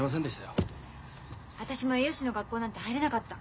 私も栄養士の学校なんて入れなかった。